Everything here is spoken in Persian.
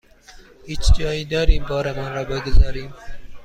هیچ جایی دارید بارمان را بگذاریم؟